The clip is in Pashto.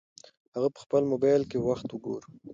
هغه په خپل موبایل کې وخت وګوره.